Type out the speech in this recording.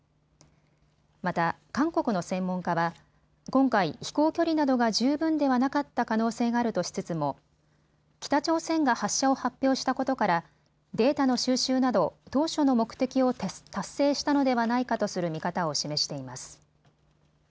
また、韓国の専門家は今回、飛行距離などが十分ではなかった可能性があるとしつつも北朝鮮が発射を発表したことからデータの収集など当初の目的を達成したのではないかとする見方を示しています。